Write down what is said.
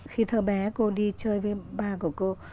khi thơ bé cô đi chơi với ba của cô